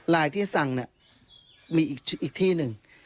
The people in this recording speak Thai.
ที่สั่งเนี่ยมีอีกที่หนึ่ง